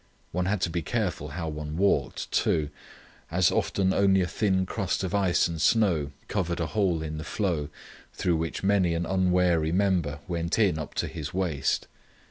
One had to be careful how one walked, too, as often only a thin crust of ice and snow covered a hole in the floe, through which many an unwary member went in up to his waist.